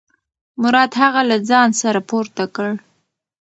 مراد هغه له ځانه سره پورته کړ.